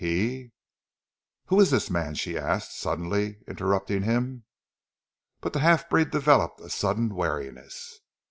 He " "Who is this man?" she asked, suddenly interrupting him. But the half breed developed a sudden wariness.